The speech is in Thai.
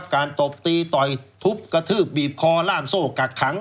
ตบตีต่อยทุบกระทืบบีบคอล่ามโซ่กักขัง